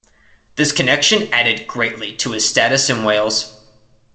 This connection added greatly to his status in Wales.